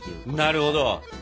なるほど。